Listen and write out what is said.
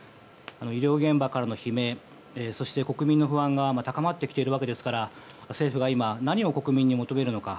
医療現場からの悲鳴そして国民の不満が高まってきているわけですから政府が今、何を国民に求めるのか